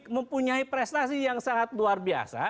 mempunyai prestasi yang sangat luar biasa